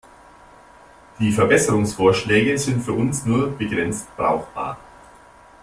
Die Verbesserungsvorschläge sind für uns nur begrenzt brauchbar.